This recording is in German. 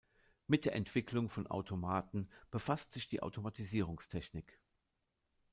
Mit der Entwicklung von Automaten befasst sich die Automatisierungstechnik.